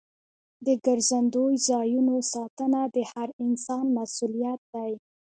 د ګرځندوی ځایونو ساتنه د هر انسان مسؤلیت دی.